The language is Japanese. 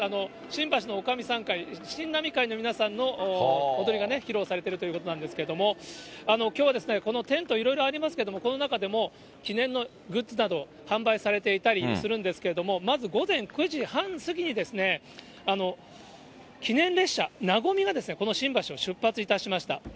新橋のおかみさん会、しんがみ会の皆さんの踊りが披露されているということなんですけれども、きょうは、このテント、いろいろありますけれども、この中でも、記念のグッズなど、販売されていたりするんですけれども、まず午前９時半過ぎに、記念列車、なごみがですね、この新橋を出発しました。